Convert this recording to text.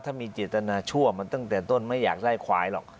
ถ้ามีเจตนาชั่วมันตั้งแต่ต้นไม่อยากได้ควายหรอก